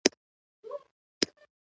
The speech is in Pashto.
که انسان په خدای يقين ولري.